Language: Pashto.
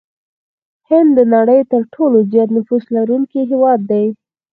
هند د نړۍ ترټولو زيات نفوس لرونکي هېواد دي.